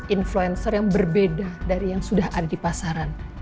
influencer yang berbeda dari yang sudah ada di pasaran